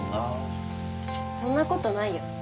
そんなことないよ。